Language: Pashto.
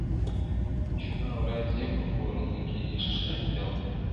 • شپه او ورځ يې په كورونو كي ښادي وه -